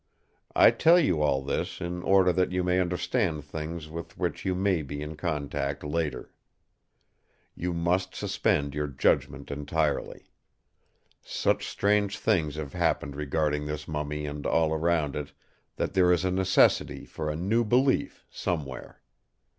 I tell you all this in order that you may understand things with which you may be in contact later. You must suspend your judgment entirely. Such strange things have happened regarding this mummy and all around it, that there is a necessity for new belief somewhere.